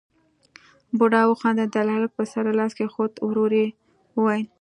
بوډا وخندل، د هلک پر سر يې لاس کېښود، ورو يې وويل: